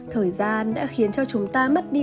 thời gian đã khiến cho chúng ta mất đi